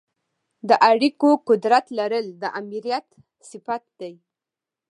د اړیکو قدرت لرل د آمریت صفت دی.